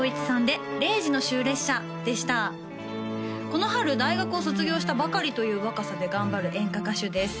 この春大学を卒業したばかりという若さで頑張る演歌歌手です